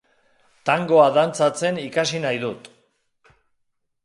Tangoa dantzatzen ikasi nahi dut.